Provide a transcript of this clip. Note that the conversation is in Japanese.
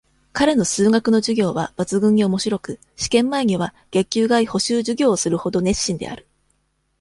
彼の数学の授業は、抜群に面白く、試験前には、月給外補習授業をするほど、熱心である。